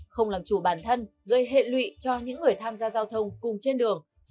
không làm chủ bản thân gây hệ lụy cho những người tham gia giao thông cùng trên đường